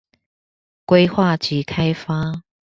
規劃及開發